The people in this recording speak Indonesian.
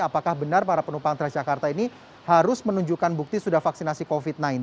apakah benar para penumpang transjakarta ini harus menunjukkan bukti sudah vaksinasi covid sembilan belas